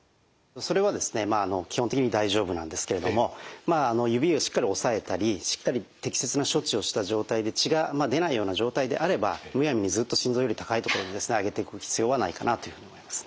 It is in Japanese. それは基本的に大丈夫なんですけれども指をしっかりおさえたりしっかり適切な処置をした状態で血があんまり出ないような状態であればむやみにずっと心臓より高い所に上げておく必要はないかなというふうに思いますね。